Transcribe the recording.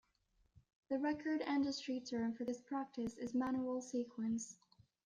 The record industry term for this practice is manual sequence.